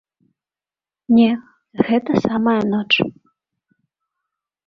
Не, гэта самая ноч.